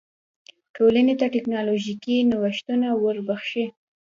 ټولنې ته ټکنالوژیکي نوښتونه نه وربښي.